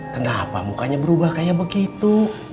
kenapa mukanya berubah kayak begitu